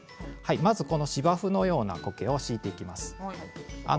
まず芝生のようなこけを敷いていきます。